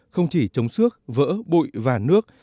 không chỉ chống xước vỡ bụi và nước